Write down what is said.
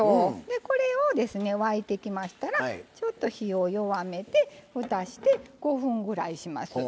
これを沸いてきましたらちょっと火を弱めてふたして５分ぐらいします。